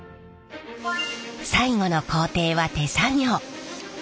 最後の工程は手作業。